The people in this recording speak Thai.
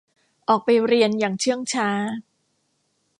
ออกไปเรียนอย่างเชื่องช้า